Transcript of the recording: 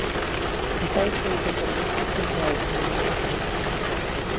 Quizais sexa por gustos persoais, pero non o sabemos.